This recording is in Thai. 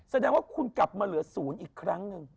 แสดงว่าคุณกลับมาเหลือ๐อีกครั้งหนึ่ง